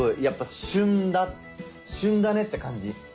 やっぱ旬だねって感じ。